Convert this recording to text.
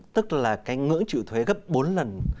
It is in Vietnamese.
tức là cái ngưỡng trịu thuế gấp bốn lần